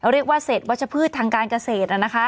เรียกว่าเศษวัชพืชทางการเกษตร